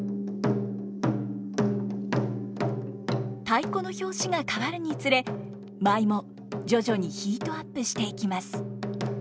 太鼓の拍子が変わるにつれ舞も徐々にヒートアップしていきます。